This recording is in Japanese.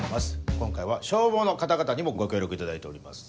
今回は消防の方々にもご協力いただいております。